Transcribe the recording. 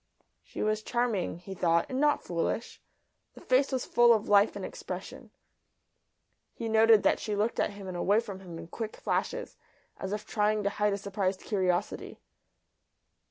She was charming, he thought, and not foolish; the face was full of life and expression. He noted that she looked at him and away from him in quick flashes, as if trying to hide a surprised curiosity.